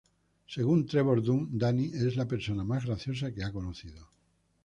Según Trevor Dunn, Danny es la persona más graciosa que ha conocido.